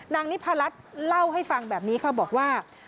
นิพรัชเล่าให้ฟังแบบนี้ค่ะบอกว่า